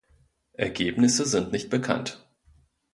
Ergebnisse sind nicht bekannt.